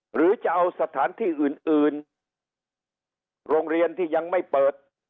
หรือจะเอาสถานที่อื่นอื่นโรงเรียนที่ยังไม่เปิด